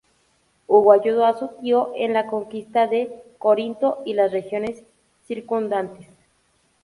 Hugo ayudó a su tío en la conquista de Corinto y las regiones circundantes.